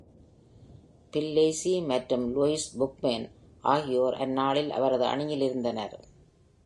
Bill Lacey மற்றும் Louis Bookman ஆகியோர் அந்நாளில் அவரது அணியில் இருந்தனர்.